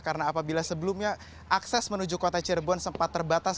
karena apabila sebelumnya akses menuju kota cirebon sempat terbatas